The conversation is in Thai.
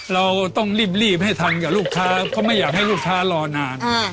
เราต้องรีบให้ทันกับลูกค้าเพราะไม่อยากให้ลูกค้ารอนาน